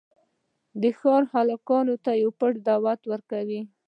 د ښار هلکانو ته پټ دعوت ورکوي.